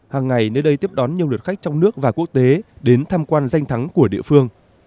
hàng ngày nơi đây tiếp đón nhiều lượt khách trong nước và quốc tế đến tham quan danh thắng của địa phương